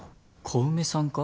小梅さんか？